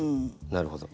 なるほど。